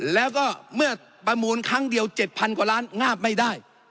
แล้วก็เมื่อประมูลครั้งเดียว๗๐๐กว่าล้านงาบไม่ได้